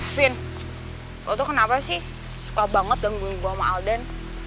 fin lo tuh kenapa sih suka banget gangguin gue sama aldan